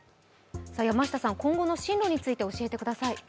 今後の進路について教えてください。